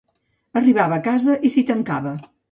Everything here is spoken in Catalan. Arribava a casa i s’hi tancava.